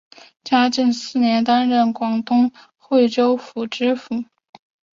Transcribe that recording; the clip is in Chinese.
嘉靖四年担任广东惠州府知府。